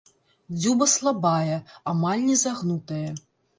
Дзюба слабая, амаль не загнутая.